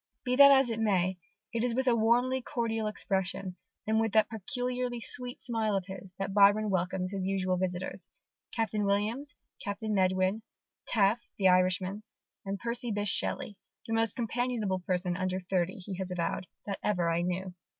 Be that as it may, it is with a warmly cordial expression, and with that peculiarly sweet smile of his, that Byron welcomes his usual visitors, Captain Williams, Captain Medwin, Taafe the Irishman, and Percy Bysshe Shelley, "the most companionable person under thirty," he has avowed, "that ever I knew."